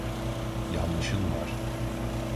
Yanlışın var.